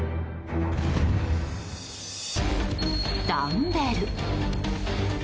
ダンベル！